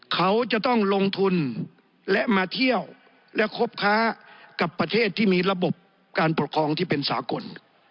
เขาจะต้องลงทุนและมาเที่ยวและคบค้ากับประเทศที่มีระบบการปกครองที่เป็นสากล